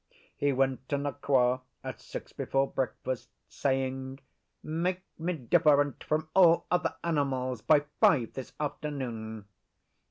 He went to Nqa at six before breakfast, saying, 'Make me different from all other animals by five this afternoon.